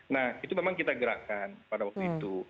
nah itu memang kita gerakkan pada waktu itu